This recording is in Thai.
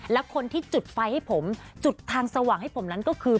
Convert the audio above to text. และคนที่จุดไฟให้ผมจุดทางสว่างให้ผมนั้นก็คือ